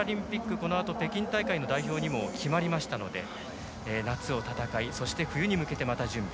このあと北京大会の代表にも決まりましたので、夏を戦いそして冬に向けてまた準備。